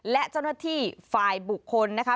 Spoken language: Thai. และเจ้าหน้าที่ฝ่ายบุคคลนะคะ